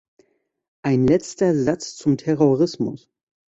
Ein letzter Satz zum Terrorismus.